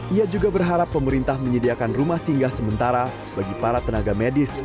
ia juga berharap pemerintah menyediakan rumah singgah sementara bagi para tenaga medis